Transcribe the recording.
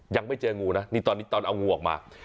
ยังไม่เจองูนะนี่ตอนนี้ตอนเอางูออกมา